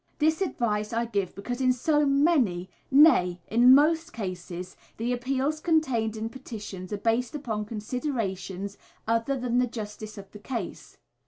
This advice I give because in so many, nay, in most cases, the appeals contained in petitions are based upon considerations other than the justice of the case.